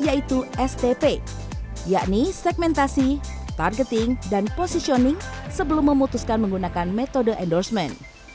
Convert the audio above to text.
yaitu stp yakni segmentasi targeting dan positioning sebelum memutuskan menggunakan metode endorsement